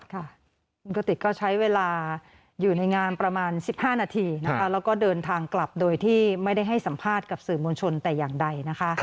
คุณกติกก็ใช้เวลาอยู่ในงานประมาณ๑๕นาทีนะคะแล้วก็เดินทางกลับโดยที่ไม่ได้ให้สัมภาษณ์กับสื่อมวลชนแต่อย่างใดนะคะ